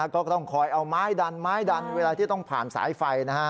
ก็ต้องคอยเอาไม้ดันเวลาที่ต้องผ่านสายไฟ